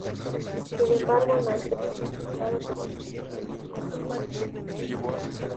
Sin embargo, Nanterre se vio muy afectado por los intercambios de disparos de artillería.